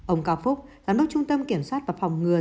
ông cao phúc giám đốc trung tâm kiểm soát và phòng ngừa